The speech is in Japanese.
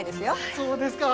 そうですか。